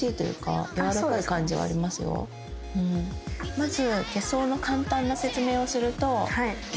まず。